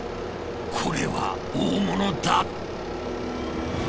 これは大物だ！